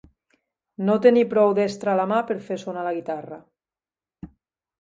No tenir prou destra la mà per a fer sonar la guitarra.